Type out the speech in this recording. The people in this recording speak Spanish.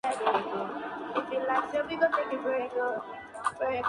La canción se titula "Takes Two To Tango".